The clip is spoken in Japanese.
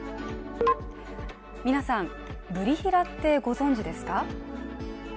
皆さん、ブリヒラってご存じですか？